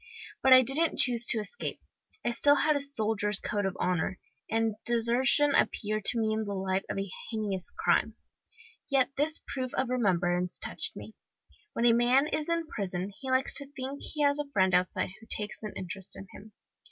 But I didn't choose to escape. I still had a soldier's code of honour, and desertion appeared to me in the light of a heinous crime. Yet this proof of remembrance touched me. When a man is in prison he likes to think he has a friend outside who takes an interest in him.